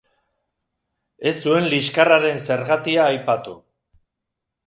Ez zuen liskarraren zergatia aipatu.